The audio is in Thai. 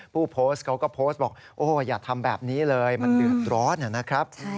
ผู้โพสต์เขาก็โพสต์บอกโอ้อย่าทำแบบนี้เลยมันเดือดร้อนนะครับ